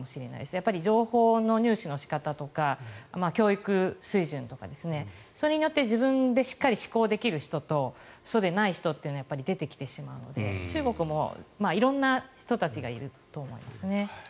やっぱり情報の入手の仕方とか教育水準とか、それによって自分でしっかり思考できる人とそうでない人っていうのはやっぱり出てきてしまうので中国も色んな人たちがいると思うんですね。